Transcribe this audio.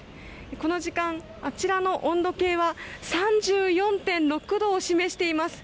この時間、あちらの温度計は３４．６度を示しています。